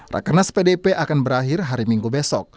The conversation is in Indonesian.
rakenas pdp akan berakhir hari minggu besok